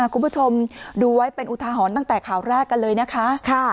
คุณผู้ชมดูไว้เป็นอุทาหรณ์ตั้งแต่ข่าวแรกกันเลยนะคะ